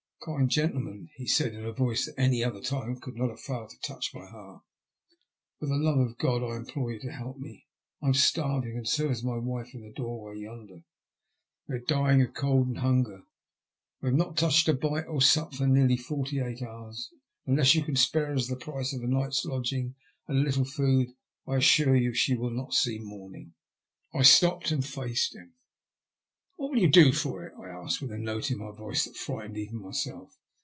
" Kind gentleman," he said in a voice that at any other time could not have failed to touch my heart, " for the love of God, I implore you to help me. I am starving, and so is my wife in the doorway yonder. 46 THE LUST OF HATE. We are dying of cold and hanger. We have not touched bite or Bup for nearly forty eight hours, and unless you can spare us the price of a night's lodging and a Uttle food I assure you she will not see morning.'' I stopped and faced him. What will you do for it ?" I asked, with a note in my voice that frightened even myself.